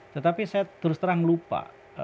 tetapi saya terus terang lupa